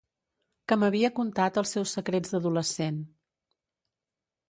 Que m'havia contat els seus secrets d'adolescent.